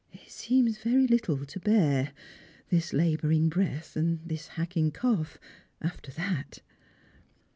It seems very little to bear, this labouring breath and this hacking cough, after that."